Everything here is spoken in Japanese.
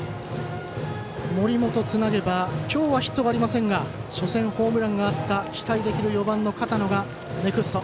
森本つなげば今日はヒットはありませんが初戦ホームランがあった期待できる４番の片野がネクスト。